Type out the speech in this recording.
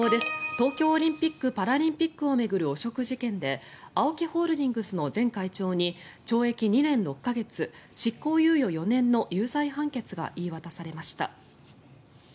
東京オリンピック・パラリンピックを巡る汚職事件でＡＯＫＩホールディングスの前会長に懲役２年６か月執行猶予４年の有罪判決が言い渡されました。